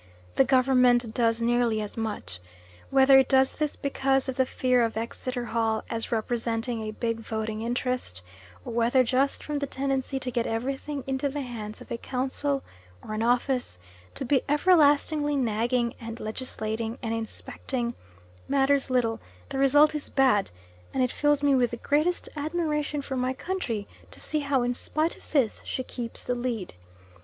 The Government does nearly as much. Whether it does this because of the fear of Exeter Hall as representing a big voting interest, or whether just from the tendency to get everything into the hands of a Council, or an Office, to be everlastingly nagging and legislating and inspecting, matters little; the result is bad, and it fills me with the greatest admiration for my country to see how in spite of this she keeps the lead.